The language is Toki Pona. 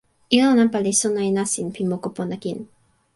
ilo nanpa li sona e nasin pi moku pona kin.